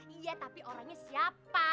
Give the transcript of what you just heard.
iya tapi orangnya siapa